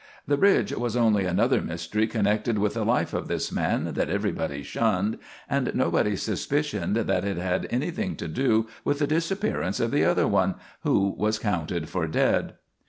The bridge was only another mystery connected with the life of this man that everybody shunned, and nobody suspicioned that hit had anything to do with the disappearance of the other one, who was counted for dead.